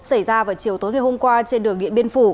xảy ra vào chiều tối ngày hôm qua trên đường điện biên phủ